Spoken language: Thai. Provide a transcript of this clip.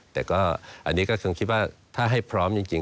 แต่ก็อันนี้ก็คงคิดว่าถ้าให้พร้อมจริง